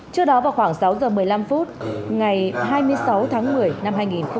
trước đó vào khoảng sáu giờ một mươi năm phút ngày hai mươi sáu tháng một mươi năm hai nghìn một mươi chín